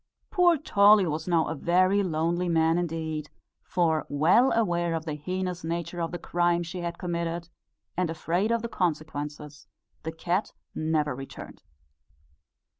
Poor Tolly was now a very lonely man indeed; for, well aware of the heinous nature of the crime she had committed, and afraid of the consequences, the cat never returned.